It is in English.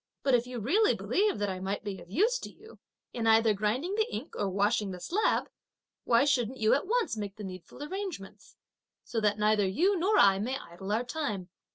But if you really believe that I might be of use to you, in either grinding the ink, or washing the slab, why shouldn't you at once make the needful arrangements, so that neither you nor I may idle our time?